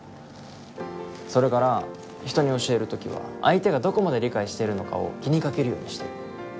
それから人に教える時は相手がどこまで理解しているのかを気にかけるようにしてる。